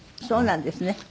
そうなんですね。